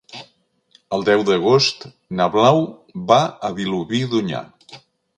El deu d'agost na Blau va a Vilobí d'Onyar.